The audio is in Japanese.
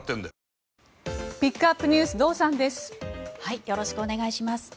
よろしくお願いします。